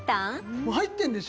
もう入ってんでしょ？